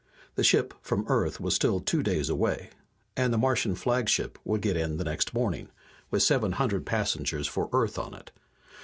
The ship from Earth was still two days away, and the Martian flagship would get in next morning, with seven hundred passengers for Earth on it.